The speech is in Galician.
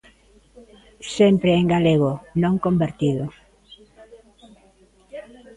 Sempre en galego, non convertido.